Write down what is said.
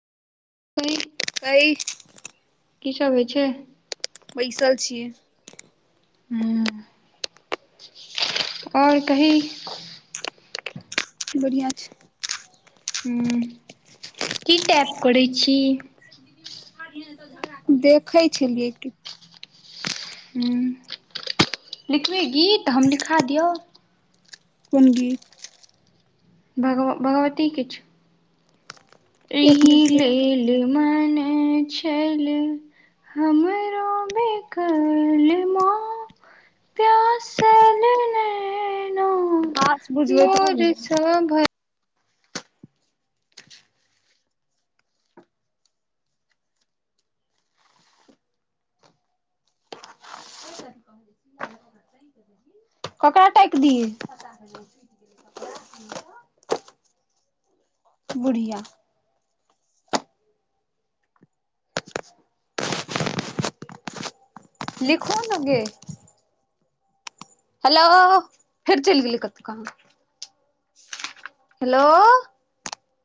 क [unintelligible] कई कि सभ होइ छै? बैसल छियै। ह, और कहि। बढ़िआँ छै। ह, की टैप करै छी? देखै छलियै की। ह लिखभी गीत, हम लिखा दियौ। कौन गीत? भगव भगवती के छो। एक एहि मिनट लेल मन छल। हमरो बेकल माँ। प्यासल नैन। भास बुझबै तब ने। सभक [inaudible] केकरा टैक दियै। बुढ़िया। [inaudible] लिखो न गे। हेलो! फेर चलि गेलै, कतहु काम करे ले। हेलो।